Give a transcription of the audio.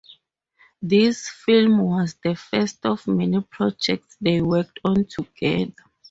This film was the first of many projects they worked on together.